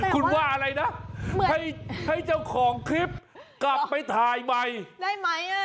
คุณว่าอะไรนะให้เจ้าของคลิปกลับไปถ่ายใหม่ได้ไหม